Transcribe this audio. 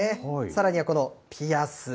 さらにはこのピアス。